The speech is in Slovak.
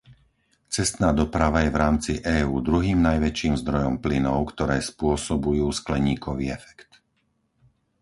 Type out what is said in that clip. Cestná doprava je v rámci EÚ druhým najväčším zdrojom plynov, ktoré spôsobujú skleníkový efekt.